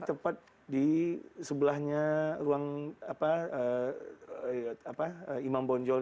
tepat di sebelahnya ruang imam bonjol